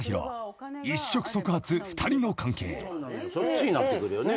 そっちになってくるよね。